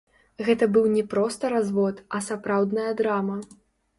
Гэта быў не проста развод, а сапраўдная драма.